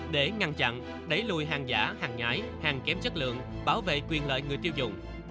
để ngăn chặn đẩy lùi hàng giả hàng nhái hàng kém chất lượng bảo vệ quyền lợi người tiêu dùng